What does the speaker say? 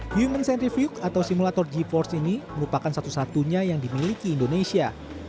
human centri fuel atau simulator g force ini merupakan satu satunya yang dimiliki indonesia